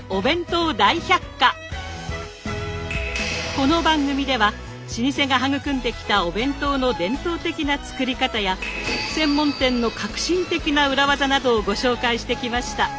この番組では老舗が育んできたお弁当の伝統的な作り方や専門店の革新的な裏技などをご紹介してきました。